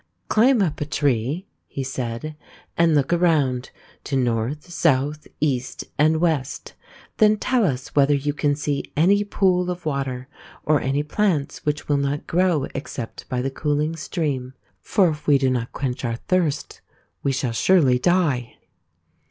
" Climb up a tree," he said, " and look around to north, south, east, and west ; then tell us whether you can see any pool of water or any plants which will not grow except by the cooling stream. For if we do not quickly quench our thirst, we shall surely die."